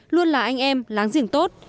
luôn là anh em láng giềng tốt